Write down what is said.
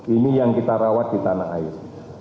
ini yang kita rawat di tanah air